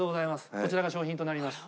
こちらが賞品となります。